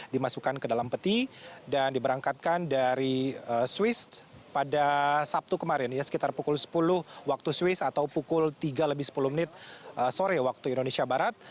dimasukkan ke dalam peti dan diberangkatkan dari swiss pada sabtu kemarin sekitar pukul sepuluh waktu swiss atau pukul tiga lebih sepuluh menit sore waktu indonesia barat